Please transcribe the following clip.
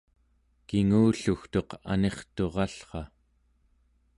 kingullugtuq angnirturallra